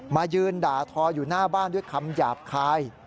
มายืนด่าทออยู่หน้าบ้านด้วยคำหยาบคาย